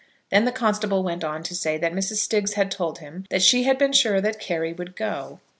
Then the constable went on to say that Mrs. Stiggs had told him that she had been sure that Carry would go.